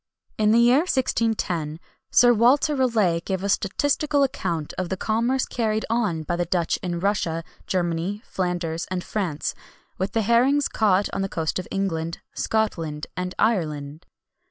In the year 1610, Sir Walter Raleigh gave a statistical account of the commerce carried on by the Dutch in Russia, Germany, Flanders, and France, with the herrings caught on the coasts of England, Scotland, and Ireland.